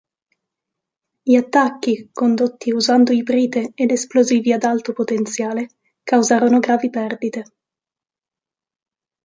Gli attacchi, condotti usando iprite ed esplosivi ad alto potenziale, causarono gravi perdite.